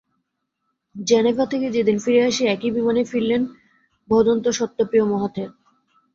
Geneva থেকে যেদিন ফিরে আসি, একই বিমানে ফিরলেন ভদন্ত সত্যপ্রিয় মহাথের।